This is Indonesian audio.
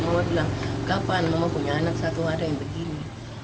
mama bilang kapan mama punya anak satu ada yang begini